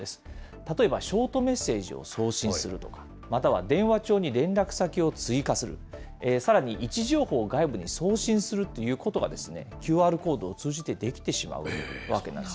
例えばショートメッセージを送信するとか、または電話帳に連絡先を追加する、さらに位置情報を外部に送信するということが、ＱＲコードを通じてできてしまうわけなんです。